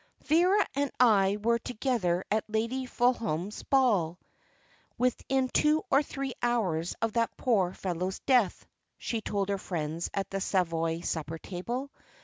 "Vera and I were together at Lady Fulham's ball within two or three hours of that poor fellow's death," she told her friends at a Savoy supper table.